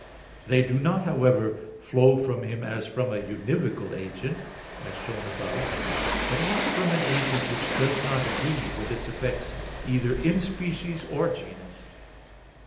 They do not, however, flow from Him as from a univocal agent, as shown above (Q. 4, A. 2); but as from an agent which does not agree with its effects either in species or genus.